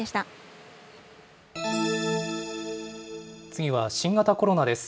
次は新型コロナです。